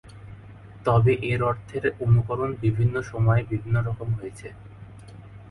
তবে এর অর্থের অনুরণন বিভিন্ন সময়ে বিভিন্ন রকম হয়েছে।